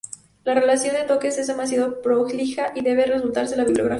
La relación de toques es demasiado prolija, y debe consultarse la bibliografía.